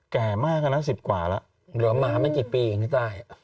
แก่มากอะนะ๑๐กว่าแล้ว